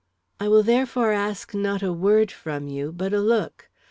I will, therefore, ask not a word from you, but a look.